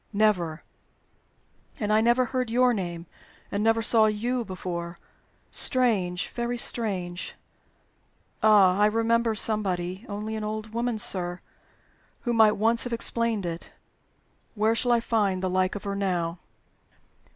"Never." "And I never heard your name, and never saw you before. Strange! very strange! Ah! I remember somebody only an old woman, sir who might once have explained it. Where shall I find the like of her now?"